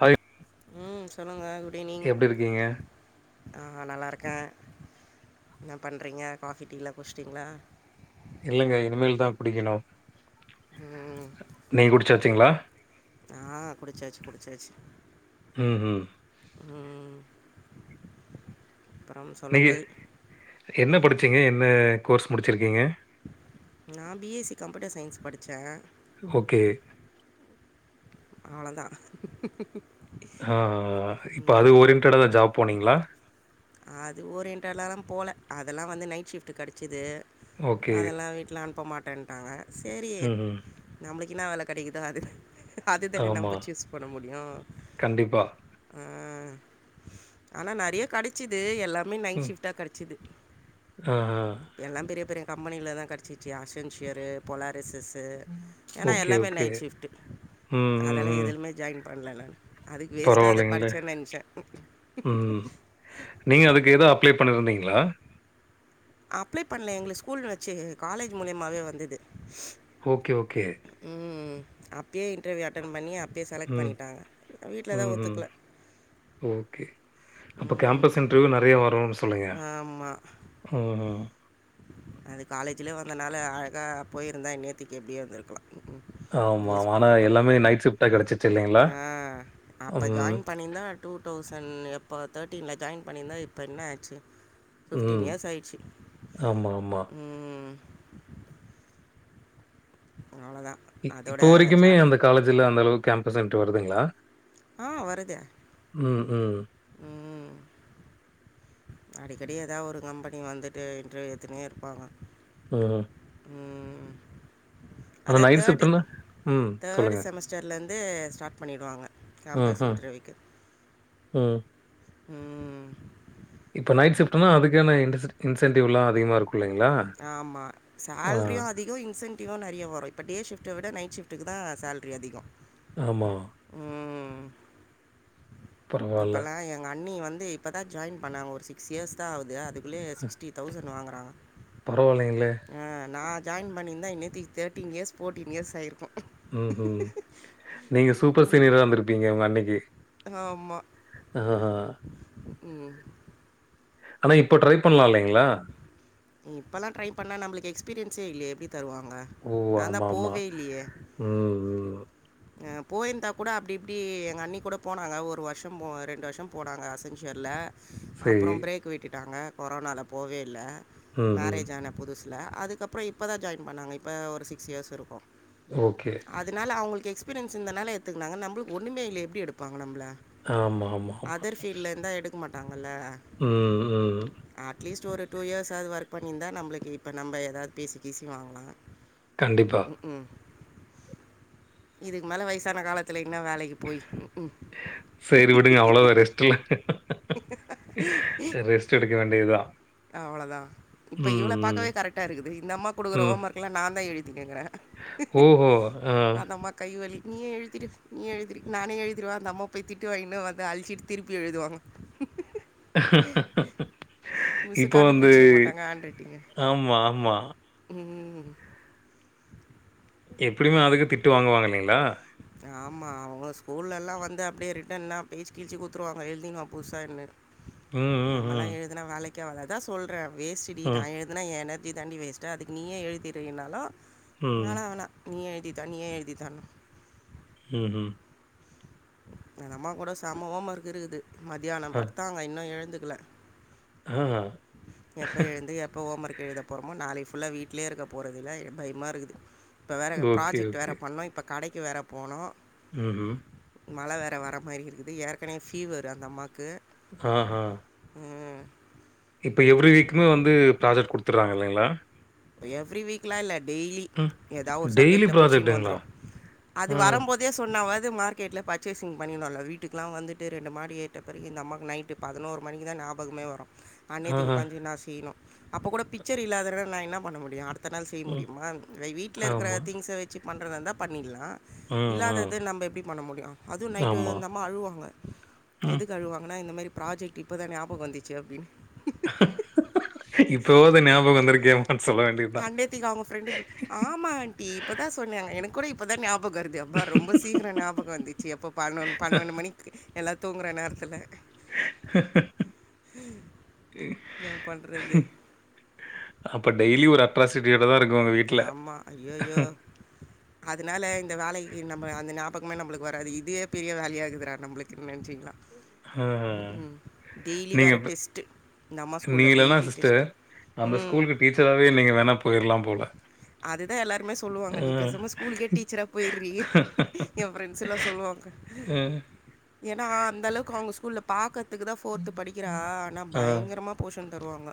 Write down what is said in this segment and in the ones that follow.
Hi ம் சொல்லுங்க good evening எப்டி இருக்கீங்க? அ நல்லாருக்கே என்ன பண்றீங்க காஃபி டீ லா குடுச்சிட்டிங்களா இல்லங்க இனிமேல் தா குடிக்கணு ம் நீங்க குடிச்சாச்சுங்ளா ஆ குடுச்சாச்சு குடுச்சாச்சு ம் உம் உம் நீங்க என்ன ம் படிச்சிங்க என்ன கோர்ஸ் முடிச்சிருக்கீங்க நா B S C computer science படிச்சே ஓகே அவளந்தா ஆ இப்போ அது ஓரியன்டட தா ஜாப் போனீங்களா அது ஓரியன்டடலலா போகல அதெல்லா வந்து நைட் ஷிஃப்டு கெடச்சிது ஓகே. அதெல்லா வீட்ல அனுப்ப மாட்டேன்ட்டாங்க சரி ம்ஹ்ம். நம்மளுக்கு என்னா வேல கெடைக்குதோ அது அதுதர ஆமா. நம்ம சூஸ் பண்ண முடியு கண்டிப்பா. ஆ ஆனா நறைய கடைச்சிது எல்லாம் மே நைட் ம். ஷிஃப்ட்டா கடச்சிது ஆஹா. ம். எல்லா பெரிய பெரிய கம்பெனியிலதா கெடச்சிச்சு அஸ்வன்ஷியரு பொலாரஸ்சஸ்சு ஏன்னா ஓகே, எல்லாமே ஓகே. நைட் ஷிஃப்ட்டு ம், ம், அதெல்லா ம். எதுலுமே ஜாயின் பண்ணல நானு அதுக்கு வேஸ்ட்டா அத பரவாயில்லைங்களே. படிச்சேன் நெனச்சே ம். நீங்க அதுக்கு ஏதோ அப்ளை பண்ணிருந்தீங்களா அப்ளை பண்ணல எங்குளு ஸ்கூல் வச்சு காலேஜ் மூலயமாவே வந்தது ஓகே ஓகே ம் அப்பயே இன்டர்வியூ அட்டன்ட் பண்ணி அப்பயே செலக்ட் ம், பண்ணட்டாங்க வீட்ல தா ம்ஹ்ம். ஒத்துக்கல ஓகே அப்ப கேம்பஸ் இன்டர்வியூ நெறைய வரு சொல்றிங்க ஆமா ம் ம் அது காலேஜ்ல்யே வந்தனால அழகா போயிருந்தா இன்நேத்துக்கு எப்படியோ வந்திருக்கலா ஆமாமா ஆனா எல்லாமே நைட் ஷிப்டா கெடைச்சுச்சு இல்லைங் ஆ அப்போ ஜாயின் பண்ணிருந்தா டூ தௌசண்ட் எப்போ தேர்ட்டீன்ல ஜாயின் பண்ணிருந்தா இப்போ என்னாச்சு பிப்டீன் ம். இயர்ஸ் ஆயிடுச்சு ஆமா, ஆமா. ம் அவ்ளதா இப் இப்போ வரைக்குமே அந்த காலேஜ்ல அந்தளவுக்கு கேம்பஸ் இண்டர் வருதுங்களா ஆ வருது ம் ம் அடிக்கடி ஏதாது ஒரு கம்பெனி வந்துட்டு இன்டர்வியூ எத்துனே இருப்பாங்க அ ம் ஆனா அத நைட் தேர்டு ஷிஃப்ட்ன்னா ம். தேர்டு சொல்லுங்க. செமஸர் ச்சர்லேந்து ஸ்டார்ட் பண்ணிடுவாங்க ம் கேம்பஸ் ம் இன்டர்வியூக்கு. ம். ம் இப்போ நைட ஷிப்ட்னா அதுக்கான இன்டசிப் இன்சன்டிவ்லா அதிகமா இருக்கு ஆமா சேல்ரியு அதிகொ இன்சென் டிவு நெறைய வரு இப்ப டே ஷிப்ட்ட விட நைட் ஷிப்ட்டுக்கு தா சேல்ரி அதிக ஆமாம் பரவால்ல. இப்பல்லா எங்க அண்ணி வந்து இப்பதா ஜாயின் பண்ணாங்க ஒரு சிக்ஸ் இயர்ஸ் தா ஆகுது அதுக்குள்ளயே சிக்ஸ்டி தௌசண்ட் னு வாங்குறாங்க பரவால்லைங்களே ஆ நா ஜாயின் பண்ணிருந்தா இன்னேத்தி தேர்ட்டீன் இயர்ஸ் ஃபோர்டீன் இயர்ஸ் ஆகிருக்கு ம் ம் நீங்க சூப்பர் சீனியரா வந்திருப்பீங்க உங்க அன்னைக்கு ஆமா. ஆ ம் ஆனா இப்ப ட்ரை பண்லால்லைங்ளா இப்பல்லா ட்ரை பண்ணா நம்மளுக்கு எக்ஸ்பீரியன்ஸே இல்லையே எப்டி தருவாங்க ஓ! நா தா ஆமாமா. போவே இல்லையே ம் ம் அ போயிருந்தா கூட அப்டி இப்டி எங்க அண்ணி கூட போனாங்க ஒரு வர்ஷோ போ ரெண்டு வர்ஷோ போனாங்க அசன்ஜர்ல சரி. அப்றோ பிரேக் விட்டுட்டாங்க கொரோனால போவே இல்ல ம், ம். மேரேஜ் ஆன புதுசு ல அதுக்கப்றோ இப்பதா ஜாயின் பண்ணாங்க இப்ப ஒரு சிக்ஸ் இயர்ஸ் இருக்கு ஓகே அதனால அவுங்களுக்கு எக்ஸ்பீரியன்ஸ் இருந்தனால எட்த்துக்கனாங்க நம்பளுக் ஒன்மே இல்லையே எப்டி எடுப்பாங்க நம்பள ஆமா, ஆமா, ஆமா. அதர் ஃபீல்ட்ல இருந்தா எடுக்க மாட்டாங்கல்ல ம் ம் அட்லீஸ்ட் ஒரு டூ இயர்ஸாது ஒர்க் பண்ணிந்தா நம்ளுக்கு இப்போ நம்ப ஏதாத் பேசி கீசி வாங்லா கண்டிப்பா. ம் ம் இதுக்கு மேல வயசான காலத்துல இன்னு வேலைக்கு போய் ம் ம் சேரி விடுங்க அவ்ளதா ரெஸ்ட் இல்ல ரெஸ்ட எடுக்க வேண்டி தா அவ்ளதா இப்ப இவ்ள பாக்கவே கரெக்டா இருக்குது இந்தம்மாக் ம், குடுக்குற ம். ஹோமர்க்லா நா தா எழுதினுக்கறே ஓஹோ அ கைவலி நீயே எழுதிடு நீயே எழுதிடு நானே எழுதிருவே அந்தம்மா போய் திட்டு வாங்கினு வந்து அழிச்சிட்டு திருப்பி எழுதுவாங்க ஆஹ மிஸ்சு கண்டு புச்சிற மாட்டாங்க ஆண்ட்ரைட்டிங்கு ஆமா ஆமா எப்டினா அதுக்கு திட்டு வாங்குவாங்கல்லைங்களா ஆமா அவுங்க ஸ்கூல்ல எல்லா வந்து அப்டியே ரிட்டன்னா பேஜ் கிழிச்சி கூடுத்துருவாங்க எழுதினு வா புதுசான்னு ம், ம், நம்மல்லா ம், எழுதுனா வேலைக்கே ஆவது அதா சொல்றே வேஷ்டுடி நா ம், எழு அனா எ எனர்ஜி தாண்டி வேஸ்ட்டாக அதுக்கு நீயே எழுதிருனாலு ம், வேணா வேணா நீயே எழுதி தா நீயே எழுதி தானு ம் ம் அந்தம்மா கூட செம ஹோமர்க்கு இருக்குது மத்தியானம் அ, படுத்தாங்க இன்னு எழுந்துக்கல ஆ ஆ எப்ப எழுந்து எப்ப ஹோமர்க்கு எழுத போறமோ நாளைக்கு ஃபுல்லா வீட்லயே இருக்க போறதில்ல எ பயமா இருக்குது இப்ப வேற ஓகே, ப்ராஜெக்ட் வேற ஓகே. பண்ணு இப்ப கடைக்கு வேற போனு ம் ம் மழ வேற வர மாரி இருக்குது ஏற்கனே ஃபீவரு அந்தம்மாக்கு ஆ ஆ இப்ப எவ்ரி வீக்குமே வந்து ப்ராஜெக்ட் குடுத்துறாங்க இல்லைங்ளா எவ்ரி வீக்லா இல்ல டெய்லி ம். எதா ஒரு டெய்லி சப்ஜெக்ட்ல புடிச்சினு ப்ராஜெக்ட்டுங்களா? வந்துரு அது ஆ, வரம்போ து சொன்னாவாது மார்கேட்ல பர்ச்சேசிங் பண்ணிருந்தோல வீட்டுக்லா வந்துட்டு ரெண்டு மாடி ஏர்ட்ட பெறகு இந்தம்மாக்கு நைட்டு பதினோரு மணிக்கு தா நாபகமே வரு அன்நேத்திக்கி ஆஹா. உக்காஞ்சி நா செய்ணு அப்போ கூட பிச்சர் இல்லாதறன நா என்ன பண்ண முடியு அட்த்தனா செய்ய ம். முடியுமா வீட்ல இருக்கிற ஆமா. திங்ஸ வெச்சு பண்றதாருந்தா பண்ணிட்லா ம், ம். இல்லாதது நம்ம எப்டி பண்ண முடியு அதுவு நைட்டு ஆமா. இந்தம்மா அழுவாங்க ம். எதுக்கு அழுவாங்கன்னா இந்த மாரி ப்ராஜெக்ட் இப்பதா ஞாபகோ வந்துச்சு அப்டின் இப்பவாது ஞாபகோ வந்திருக்கே சொல்ல வேண்டி அண்டேத்தக்கு அவங்க பிரெண்ட் ஆமா ஆண்டி இப்பதா சொன்னாங்க எனக்கு கூட இப் அப்போதா ஞாபக வருது அப்ப ரொம்ப சீக்கிர ஞாபக வந்துச்சு எப்போ பன்னொ பன்னொன்னு மணி எல்லா தூங்குற நேரத்துல ம் என்னா பண்றது அப்ப டெய்லி ஒரு அட்ராசிட்டியோடதா இருக்கு ஒங்க வீட்ல ஆமா. ஐயய்யோ! அதனால இந்த வேலைக்கு நம்ம அந்த ஞாபகமே நம்மளுக்கு வராது இதே பெரிய வேலையாக்குதுறா நம்மளுக்கு நென்ச்சீக்களா ஆ. ம் ம் டெய்லி நீங்க வேற இப்ப டெஸ்ட்டு இந்தம்மா ஸ்கூல்ல நீங்க இல்லன்னா டெய்லி சிஸ்டர், டெஸ்ட்டு அந்த ம். ஸ்கூலுக்கு டீச்சராவே நீங்க வேணா போயிரலாம் போல அதுதா எல்லாருமே சொல்லுவாங்க ஆ. நீ பேசாம ஸ்கூலுக்கே டீச்சரா போயிறி ஏ பிரஃரெண்ட்ஸ் எல்லா சொல்லுவாங்க ம் ஏன்னா அந்தளவுக்கு அவங்க ஸ்கூல்ல பாக்கறத்துக்கு தா ஃபோர்த்து படிக்கிறா ஆனா ஆ. பயங்கரமாக போஷன் தருவாங்க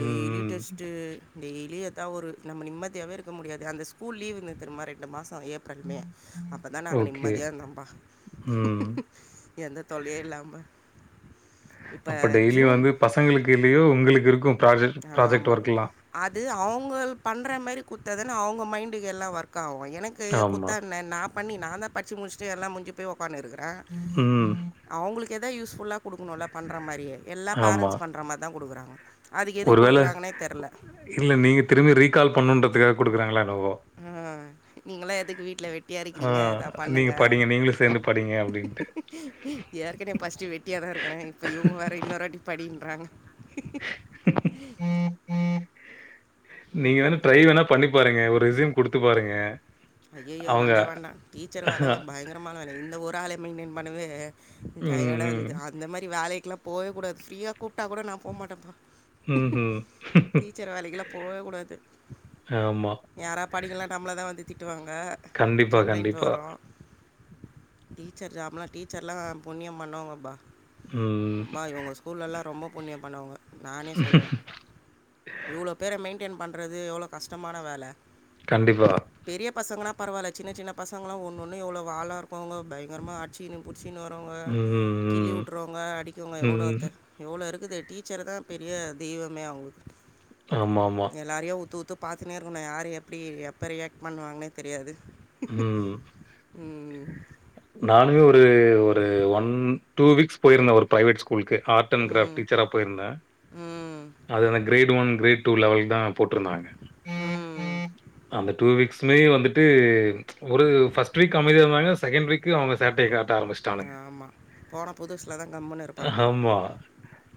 டெய்லி ம். டெஸ்ட்டு டெய்லியதா ஒரு நம்ம நிம்மதியாவே இருக்க முடியாது அந்த ஸ்கூல் லீ்வ் இந்து தெரிமா ரெண்டு மாச ஏப் கருமையா அப்போதா நாங்க ஓகே. நிம்மதியா இருந்தோம்பா ம். எந்த தொல்லையு இல்லாம இப்ப அப்போ டெய்லியு ஜூன் வந்து பசங்களுக்கு இல்லையோ உங்களுக்கு இருக்கு ஆமா அது அவங்கள் பண்ற மாரி குடுத்த தானே அவங்க மைண்டுக்கு எல்லா வரு எனக்கு ஆமா. குத்தா என்ன நா பண்ணி நாந்தா படிச்சு முடிச்சுட்டு எல்லா முஞ்சு அப்டியே ஒக்கானுருக்கிறே ம். அவங்களுக்கு ஏதாவது யூஸ்புல்லா குடுக்கணும்ல பண்ற மாரி எல்லா ஆமா. பேரண்ட்ஸ் பண்ற மாரி தா குடுக்குறாங்க அதுக்கு எதுக்கு ஒருவேள குடுக்குறாங்கனே தெரில இல்ல நீங்க திரும்பி ரீகால் பண்ணுன்றதுக்காக குடுக்குறாங்களா என்னவோ ஆ நீங்களா எதுக்கு வீட்ல வெட்டியாக ஆ இருக்கிறீங்க எதா நீங்க பண்ணுங்க படிங்க. நீங்களும் சேர்ந்து படிங்க அப்டின்ட்டு. ஏற்கன ஃபஸ்ட்டு வெட்டியாதா இருக்கறே இப்போ இவங்க வேற இன்னொருராட்டி படின்றாங்க என்ன நீங்க வேணா ட்ரை பண்ணுறது வேணா பண்ணி பாருங்க ஒரு ரிசூம் குடுத்து பாருங்க ஐய்யய்யோ அவங்க வேண்டா வேண்டா டீச்சர் வேலைல்லா பயங்கரமாக வேல இந்த ஒரு ஆள மைண்டைன் பண்ணவே ம், ம். டர்டாகுது அந்த மாரி வேலைக்குல்லா போவே கூடாது ஃப்ரீயா கூப்ட்டா கூட நா போ மாட்டேப்பா ம்ஹ்ம். டீச்சர் வேலைக்குலா போவே கூடாது ஆமா. யாரா படிக்கலனா நம்மள தா வந்து திட்டுவாங்க கண்டிப்பா, கம்ப்ளைண்ட் கண்டிப்பா. வரு டீச்சர் ஜாப்பலா டீச்சர்லா புண்ணிம் பண்ணுவங்கப்பா ம். ம்ப இவங்க ஸ்கூல்ல எல்லா ரொம்ப புண்ணியம் பண்ணவங்க நானே சொல்லுவே இவ்வளோ பேர மெயின்டெயன் பண்றது எவ்ளோ கஷ்டமான வேல கண்டிப்பா பெரிய பசங்களலா பரவால்ல சின்ன சின்ன பசங்களலா ஒன்னு ஒன்னு எவ்வளோ வாலா இருப்பாங்கோ பயங்கரமாக ஆச்சி பிடிச்சனு வரவங்க ம், கிளி ம். விட்டுறவங்க அடிக்கவங்க ம். எவ்வளோத்த எவ்ளோ இருக்குது டீச்சர் தா பெரிய தெய்வமே அவங்களுக்கு ஆமா ஆமா எல்லாரையு உத்து உத்து பாத்துனே இருக்கணு யாரு எப்டி எப்போ ரியாக்ட் பண்ணுவாங்கனே தெரியாது ம் ம் நானுமே ஒரு ஒரு ஒன் டூ வீக்ஸ் போயிருந்தே ஒரு பிரைவேட் ஸ்கூலுக்கு ஆர்ட் அண்ட் கிராபிட் ம் டீச்சரா போயிருந்த ம் அது அந்த கிரேட் ஒன் கிரேட் டூ லெவல்க்தா போட்ருந்தாங்க ம் அந்த டூ வீக்ஸ் சுமே வந்துட்டு ஒரு ஃபஸ்ட் வீக் அமைதியா இருந்தாங்க செகண்ட் வீக்கு அவங்க சேட்டய காட்ட ஆரம்பிச்சுட்டானுங்க ஆரம்பிச்சட்டானுங்க ஆமா போன புதுசிதா கம்முன்னு இருப்பாங்க ஆமா.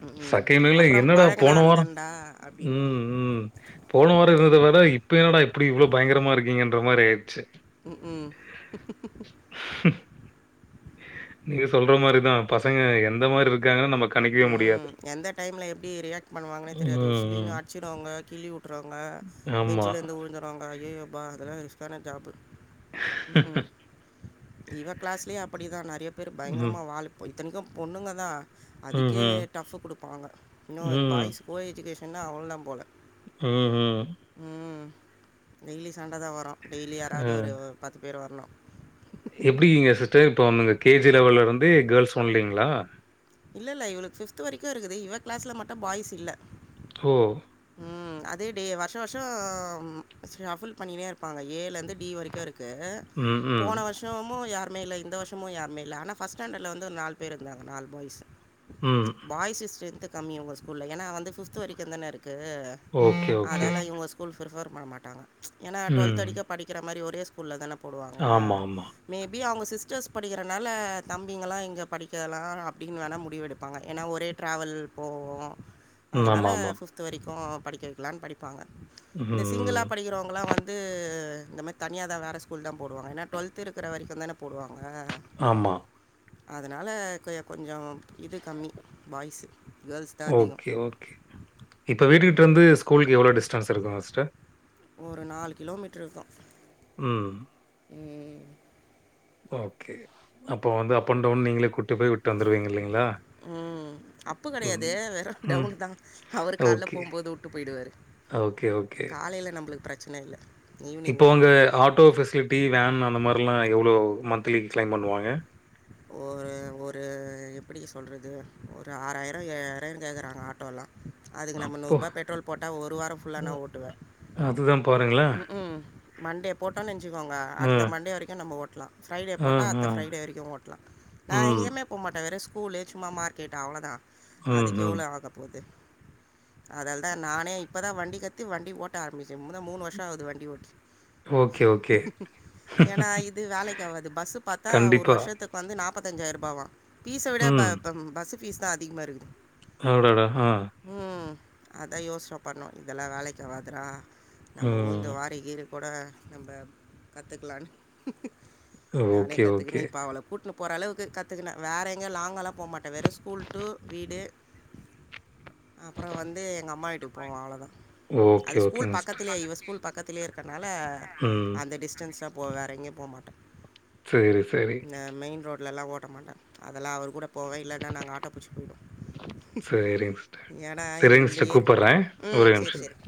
ம் ம் செகண்ட் வீக்ல அப்பற என்னடா பழக போன ஆள் வாரம் தண்டா அப்படின்னுவாங்க ம், ம். போன வார இருந்தத விட இப்ப என்னடா எப்டி இவ்வள பயங்கரமா இருக்கீங்கன்ற மாரி ஆயிடுச்சு ம் ம் நீங்க சொல்ற மாரிதா பசங்க எந்த மாரி இருக்காங்கன் நம்ம கணிக்கவே ம் முடியாது எந்த டைமல எப்டி ரியாக்ட் பண்ணுவாங்கன்னே தெரியாது ஒரு ம், சிலி ம். அடிச்சிடுவாங்க கிளி விட்றுவாங்க ஆமா. பெஞ்சலேந்து உழந்துருவாங்க ஐய்யயோ யப்பா அதலா ரிஸ்க்கான ஜாப்பு ம் ம் இவ கிளாஸ்லயே அப்படிதா நறைய பேர் ம். பயங்கரமா வாலு இத்தனைக்கு பொண்ணுங்க தா அதுக்கே ம்ஹ்ம். டஃப்பு குடுப்பாங்க இன்னு ம். பாய்ஸ் கோ எஜுகேஷன்னா அவள தா போல ம் ம் ம் டெய்லி சண்ட தா வரு டெய்லி அ. யாராவது ஒரு பத்து பேர் வரணு எப்டிங்க சிஸ்டர் இப்போ வந்துங்க கே ஜி லெவல்ல இருந்தே கேர்ள்ஸ் ஒன்லிங்களா இல்ல இல்ல இவளுக்கு ஃபிப்த்து வரைக்கு இருக்குது இவ கிளாஸ்ல மட்டு பாய்ஸ் இல்ல ஓ அதே டே வருஷ வருஷ ஃஷபுல் பண்ணினே இருப்பாங்க ஏலருந்து டீ வரைக்கு இருக்கு ம், ம், போன வர்ஷ ஷமு யாருமே இல்ல இந்த வருஷமோ யாருமே இல்ல ஆனா பஸ்ட் ஸ்டாண்டர்ட்ல வந்து ஒரு நாலு பேர் இருந்தாங்க நாலு பாய்ஸ் ம். பாய்ஸ்சு ஸ்ட்ரென்த்து கம்மி உங்க ஸ்கூல்ல ஏனா வந்து ஃபிஃப்து வரைக்கு தான இருக்கு ஓகே, ஓகே. அதெலா இவங்க ஸ்கூல் பிரிஃபர் பண்ண மாட்டாங்க ஏன்னா டுவெல்த் ம். அடிக்க படிக்கிற மாரி ஒரே ஸ்கூல்ல தான போடுவாங்க ஆமா, ஆமா. மேபி அவங்க சிஸ்டர்ஸ் படிக்கிறனால தம்பிங்கலா இங்க படிக்கலா அப் டினு வேணா முடிவெடுப்பாங்க ஏனா ஒரே டிராவல் போவோ ம். அதனால ஆமாமா. பிப்த் து வரிக்கூ படிக்க வைக்கலாம்னு படிப்பாங்க இந்த சிங்கிளா ம். படிக்கிறவங்களா வந்து வந்து இந்த மாரி தனியா தா வேற ஸ்கூல் தா போடுவாங்க ஏன்னா டுவெல்த்து இருக்குற வரைக்கு தான போடுவாங்க ஆமா அதனால கொ கொஞ்ஜோ இது கம்மி பாய்ஸு கேர்ள்ஸ் தான் அதிகம் ஓகே ஓகே இப்போ வீட்டுக்கிட்டருந்து ஸ்கூலுக்கு எவ்ளோ டிஸ்டன்ஸ் இருக்கும்ங்க சிஸ்டர் ஒரு நாலு கிலோமீட்ருக்கு ம் ம் ஓகே அப்போ வந்து அப் அண்ட் டவுன் நீங்களே கூட்டு போய் வி ம் அப்பு ம். கெடையாது வெறு ம். டவுன் தா அவரு கால்ல ஓகே. போம்போது உட்டு போயிடுவாரு ஓகே, ஓகே. காலையில நம்மளுக்கு பிரச்சன இல்ல இப்போ அங்க ஆட்டோ ஃபெசிலிட்டி வேன் அந்த மாரிலா எவ்ளோ மந்த்லி க்ளைம் பண்ணுவாங்க ஒரு ஒரு அது எப்டி சொல்றது ஒரு ஆறாயிர ஏழாயிரன் கேக்கறாங்க ஆட்டோலா அதுக்கு நம்ம அப்போ! நூருபா பெட்ரோல் போட்டா ஒரு வாரம் ஃபுல்லா நா ஓட்டுவே அதுதா பாருங்களே ம் மண்டே போட்டோம்னுச்சுக்கோங்க அ, அடுத்த மண்டே வரைக்கு நம்ம ஓட்லா ஃப்ரைடே அ, போட்டா அ. அடுத்த ஃப்ரைடே வரைக்கு ஓட்லா நா ம், எங்கயமே போமாட்ட வெறு ஸ்கூல்லு சும்மா மார்க்கெட்டு அவ்ளோதா ம், ம். அதுக்கெவ்வளோ ஆகப்போது அதல்தா நானே இப்பதா வண்டி கத்தி வண்டி ஓட்ட ஆரம்பிச்சே முத மூணு வருஷ ஆகுது வண்டி ஓட்டி ஓகே, ஓகே. ஏனா இது வேலைக்காவாது பஸ்சு பாத்தா ஒரு கண்டிப்பா. வருஷதுக்கு வந்து நாப்பத்தஞ்சாயிரூபாவா ஃபீஸ விட ம். ப பஸ்ஸு ஃபீஸ் தா அதிகமா இருக்குது அடடா ஆ ம் அதா யோசன பண்ணோ இதெல்லா வேலைக்காவாதுடா நம்ம ம். ஊந்து வாரி கீரி கூட நம்ம கத்துக்லான்னு நானே ஓகே, ஓகே. கத்துக்குனு இப்போ அவள கூட்னு இப்போரளவுக்கு கத்துக்குன வேற எங்க லாங்காலா போமாட்டே வெறு ஸ்கூல் டூ வீடு [inaudible] அப்பற வந்து எங்கம்மா வீட்டுக்கு போவ அவ்ளோதா அது ஓகே, ஸ்கூல் பக்கத் ஓகேங்க சிஸ்டர். பக்கத்திலே ஆ. இவ ஸ்கூல் பக்கத்திலயே இருக்கனால ம். அந்த டிஸ்டன்ஸ போவ வேற எங்கயு போமாட்டே சரி, சரி. ஆ மெயின் ரோட் லலா ஓட்ட மாட்டே அதெல்லா அவர் கூட போவே இல்லன்னா நாங்க ஆட்டோ புடிச்சி போவோ சரிங்க சிஸ்டர். ஏனா சரிங்க இந்த சிஸ்டர் இயர் கூப்பிடுறேன். ம் ஒரே சேரி நிமிஷம். சேரி